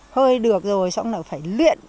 hơi được rồi xong rồi phải luyện